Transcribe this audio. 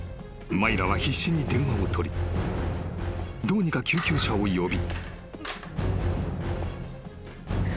［マイラは必死に電話を取りどうにか救急車を呼び］